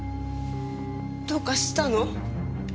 どうかしたの？